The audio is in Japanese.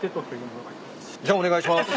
じゃあお願いします。